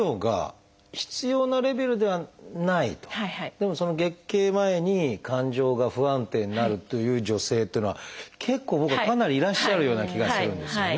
でも月経前に感情が不安定になるという女性っていうのは結構僕はかなりいらっしゃるような気がするんですよね。